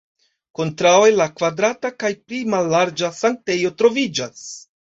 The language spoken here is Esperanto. Kontraŭe la kvadrata kaj pli mallarĝa sanktejo troviĝas.